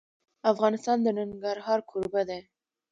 افغانستان د ننګرهار کوربه دی.